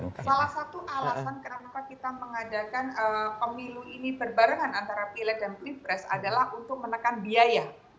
pengadakan pemilu ini berbarengan antara pileg dan pilpres adalah untuk menekan biaya